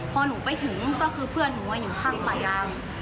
พอหนูไปถึงก็คือเพื่อนหนูมาอยู่ข้างป่ายาง